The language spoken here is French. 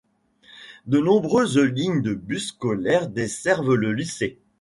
De nombreuses lignes de bus scolaires desservent le lycée.